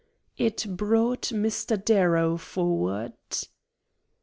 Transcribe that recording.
It brought Mr. Darrow forward.